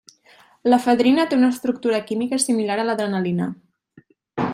L'efedrina té una estructura química similar a l'adrenalina.